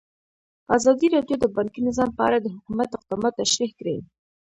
ازادي راډیو د بانکي نظام په اړه د حکومت اقدامات تشریح کړي.